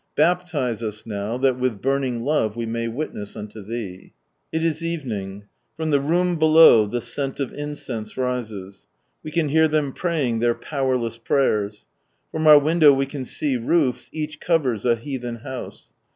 Baptize us now, that with burning love we may witness unto Thee 1 It is evening. From the room below the scent of incense rises. We can hear them praying their powerless prayers. From our window we can see roofs, each covers a heathen house.